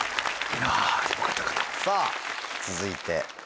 さぁ続いて。